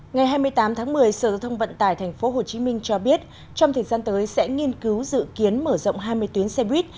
ngày hai mươi tám tháng một mươi sở thông vận tải tp hcm cho biết trong thời gian tới sẽ nghiên cứu dự kiến mở rộng hai mươi tuyến xe buýt